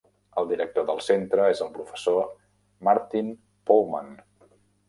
El director del centre és el professor Martin Pohlmann.